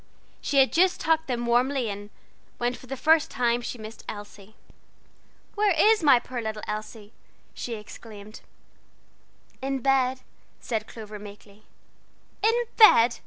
She had just tucked them warmly in, when for the first time she missed Elsie. "Where is my poor little Elsie?" she exclaimed. "In bed," said Clover, meekly. "In bed!"